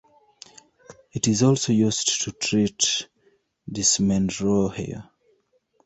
It is also used to treat dysmenorrhea.